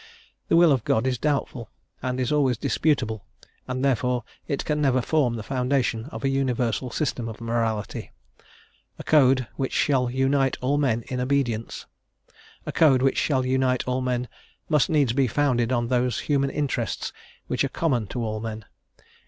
The will of God is doubtful, and is always disputable, and therefore it can never form the foundation of a universal system of morality, a code which shall unite all men in obedience. A code which shall unite all men must needs be founded on those human interests which are common to all men.